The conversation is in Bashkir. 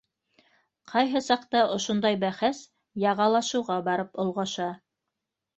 Ҡайһы саҡта ошондай бәхәс яғалашыуға барып олғаша.